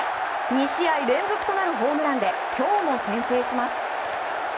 ２試合連続となるホームランで今日も先制します。